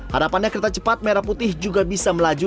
harapannya kereta cepat merah putih juga bisa melaju